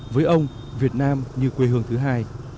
với ông việt nam như quê hương thứ hai